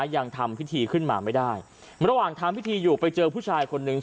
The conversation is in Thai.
ยังทำพิธีขึ้นมาไม่ได้ระหว่างทำพิธีอยู่ไปเจอผู้ชายคนนึง